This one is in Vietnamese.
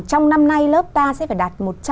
trong năm nay lớp ta sẽ phải đạt